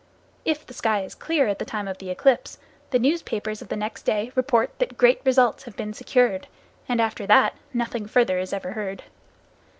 If the sky is clear at the time of the eclipse, the newspapers of the next day report that great results have been secured, and after that nothing further is ever heard.